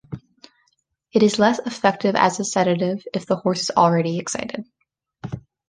It is less effective as a sedative if the horse is already excited.